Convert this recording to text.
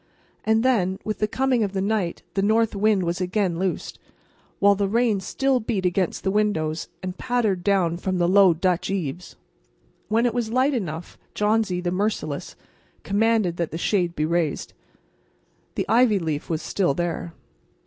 And then, with the coming of the night the north wind was again loosed, while the rain still beat against the windows and pattered down from the low Dutch eaves. When it was light enough Johnsy, the merciless, commanded that the shade be raised. The ivy leaf was still there.